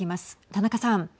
田中さん。